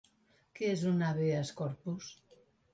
Què és un ‘habeas corpus’?